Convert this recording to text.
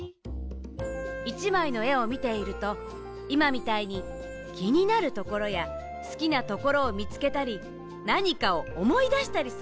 １まいのえをみているといまみたいにきになるところやすきなところをみつけたりなにかをおもいだしたりするでしょ？